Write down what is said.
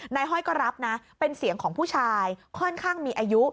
ห้อยก็รับนะเป็นเสียงของผู้ชายค่อนข้างมีอายุ